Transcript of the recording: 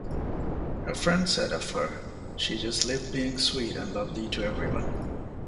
A friend said of her, She just lived being sweet and lovely to everyone.